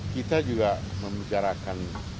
kita juga membicarakan